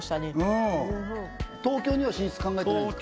うん東京には進出考えてないんですか？